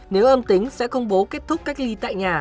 nếu âm tính sẽ công bố kết thúc cách ly tại nhà